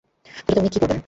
পুজোতে উনি কি পরবেন?